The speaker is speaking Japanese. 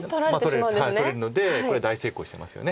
取れるのでこれ大成功してますよね。